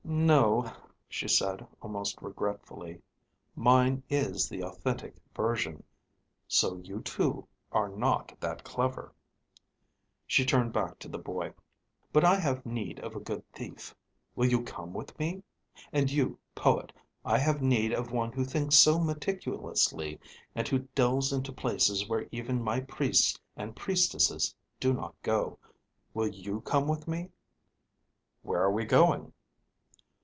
"No," she said, almost regretfully. "Mine is the authentic version. So, you too, are not that clever." She turned back to the boy. "But I have need of a good thief. Will you come with me? And you, poet, I have need of one who thinks so meticulously and who delves into places where even my priests and priestesses do not go. Will you come with me?" "Where are we going?"